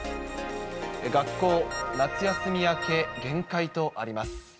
学校、夏休み明け厳戒とあります。